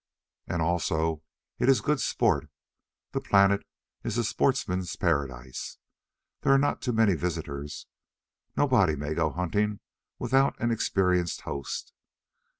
And also it is good sport. The planet is a sportsman's paradise. There are not too many visitors. Nobody may go hunting without an experienced host.